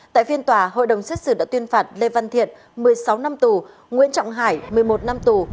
tại phiên tòa hội đồng xét xử đã tuyên phạt lê văn thiện một mươi sáu năm tù nguyễn trọng hải một mươi một năm tù